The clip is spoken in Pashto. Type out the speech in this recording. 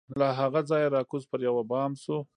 له هغه ځایه را کوز پر یوه بام سو